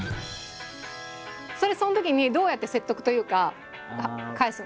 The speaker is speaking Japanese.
それそのときにどうやって説得というか返すんですか？